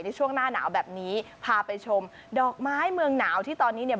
ในช่วงหน้าหนาวแบบนี้พาไปชมดอกไม้เมืองหนาวที่ตอนนี้เนี่ย